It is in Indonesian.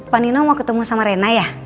panino mau ketemu sama rina ya